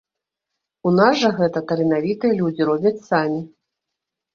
У нас жа гэта таленавітыя людзі робяць самі.